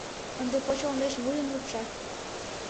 Ынде поч олмеш вуйым лупша.